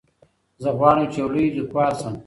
زه غواړم چي یو لوی لیکوال سم.